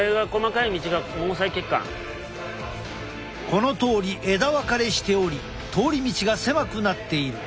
このとおり枝分かれしており通り道が狭くなっている。